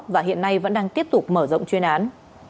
và hiện nay vẫn đang tiếp tục mở rộng chuyên án